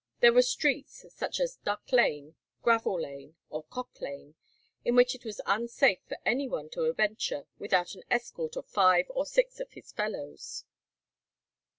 There were streets, such as Duck Lane, Gravel Lane, or Cock Lane, in which it was unsafe for any one to venture without an escort of five or six of his fellows.